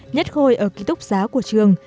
nhất khôi ở ký túc giá của trường